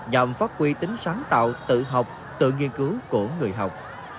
dòng phát quy tính sáng tạo tự học tự nghiên cứu của người học